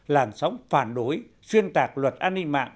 làn sóng phản đối xuyên tạc luật an ninh mạng